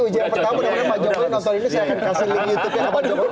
ujian pertama mudah mudahan pak jokowi nonton ini saya akan kasih link youtube nya ke pak jokowi